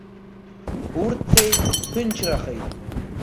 Урҭ цеит, ҭынчрахеит.